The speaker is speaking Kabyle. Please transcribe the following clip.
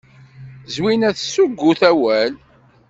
Zwina tessuggut awal.